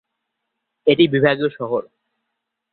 এটি বিভাগীয় শহর।